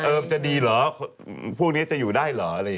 มันจะดีเหรอพวกนี้จะอยู่ได้เหรออะไรอย่างนี้